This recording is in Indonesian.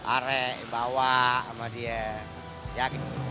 arek bawa sama dia